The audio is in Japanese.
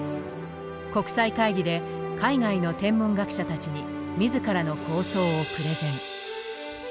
国際会議で海外の天文学者たちに自らの構想をプレゼン。